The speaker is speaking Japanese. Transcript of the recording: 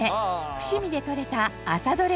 伏見で採れた朝採れ